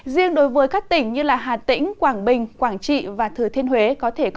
riêng đối với các tỉnh như hà tĩnh quảng bình quảng trị và thừa thiên huế